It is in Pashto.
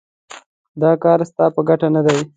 دا کار ستا په ګټه نه دی.